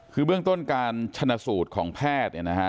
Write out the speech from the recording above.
คือเบื้องต้นการชนะสูตรของแพทย์เนี่ยนะฮะ